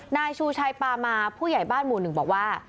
นายชูชัยปามาผู้ใหญ่บ้านหมู่หนึ่งบอกว่า